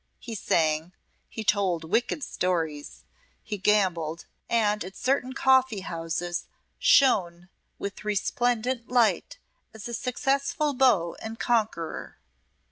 He sang, he told wicked stories, he gambled, and at certain coffee houses shone with resplendent light as a successful beau and conqueror.